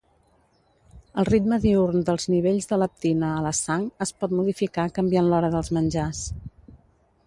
El ritme diürn dels nivells de leptina a la sang es pot modificar canviant l'hora dels menjars.